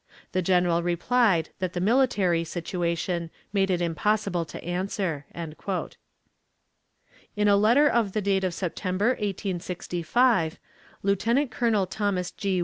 The General replied that the military situation made it impossible to answer." In a letter of the date of September, 1865, Lieutenant Colonel Thomas G.